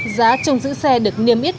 giá trông giữ xe được niêm yết